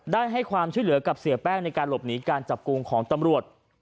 ให้ความช่วยเหลือกับเสียแป้งในการหลบหนีการจับกลุ่มของตำรวจ